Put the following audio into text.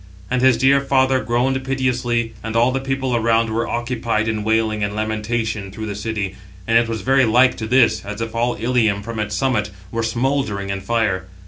And his dear father groaned piteously, and all the people around were occupied in wailing and lamentation through the city; and it was very like to this, as if all Ilium, from its summit, were smouldering in fire.